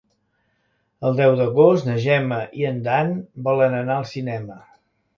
El deu d'agost na Gemma i en Dan volen anar al cinema.